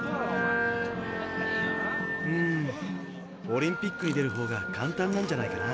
オリンピックに出るほうが簡単なんじゃないかな。